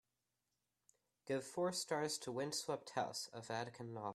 Give four stars to Windswept House: A Vatican Novel